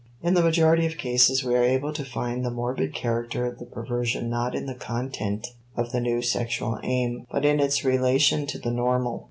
In the majority of cases we are able to find the morbid character of the perversion not in the content of the new sexual aim but in its relation to the normal.